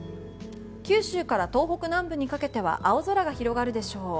九州から東北南部にかけては青空が広がるでしょう。